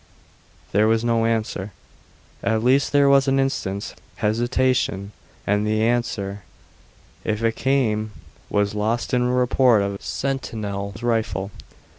There was no answer; at least there was an instant's hesitation, and the answer, if it came, was lost in the report of the sentinel's rifle.